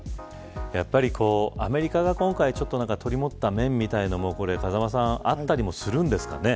やっぱりアメリカが、今回取り持った面みたいなものも風間さんあったりするんですかね。